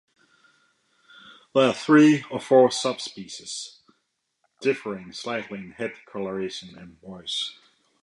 There are three or four subspecies, differing slightly in head coloration and voice.